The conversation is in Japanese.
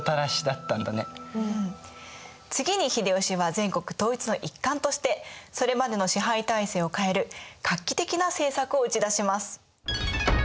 次に秀吉は全国統一の一環としてそれまでの支配体制を変える画期的な政策を打ち出します。